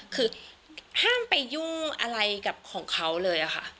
คือห้ามไปยุ่งอะไรกับของเขาเลยค่ะ